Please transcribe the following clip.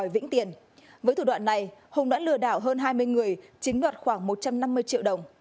với thủ đoạn này hùng đã lừa đảo hơn hai mươi người chiếm đoạt khoảng một trăm năm mươi triệu đồng